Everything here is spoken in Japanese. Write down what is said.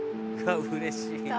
うれしいね。